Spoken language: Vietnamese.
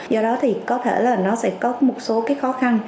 do đó thì có thể là nó sẽ có một số cái khó khăn